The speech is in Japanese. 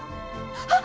あっ！